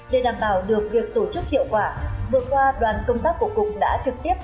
để đảm bảo được việc tổ chức hiệu quả vừa qua đoàn công tác của cục đã trực tiếp